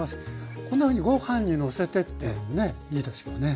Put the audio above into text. こんなふうにご飯にのせてっていうのもねいいですよね。